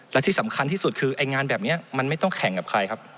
และที่สำคัญที่สุดคือไอ้งานแบบนี้มันไม่ต้องแข่งกับใครครับ